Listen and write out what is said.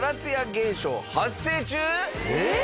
えっ！？